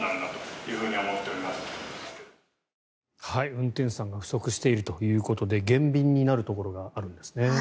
運転手さんが不足しているということで減便になるところがあるんですね。